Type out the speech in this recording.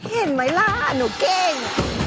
เห็นไหมล่ะหนูเก่ง